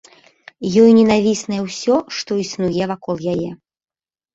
Ёй ненавіснае усё, што існуе вакол яе.